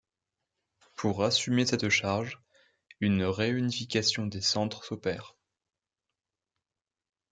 Pour assumer cette charge, une réunification des centres s'opère.